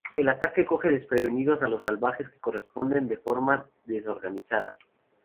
El ataque coge desprevenidos a los salvajes que responden de forma desorganizada.